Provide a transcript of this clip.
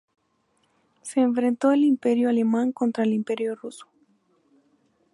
Se enfrentó el Imperio alemán contra el Imperio ruso.